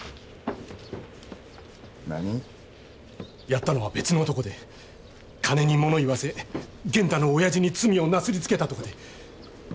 やったのは別の男で金にもの言わせ源太の親父に罪をなすりつけたとかで。